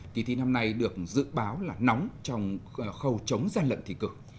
kỳ thi năm nay được dự báo là nóng trong khâu chống gian lận thị cực